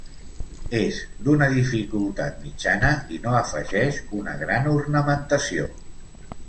És d'una dificultat mitjana i no afegeix una gran ornamentació.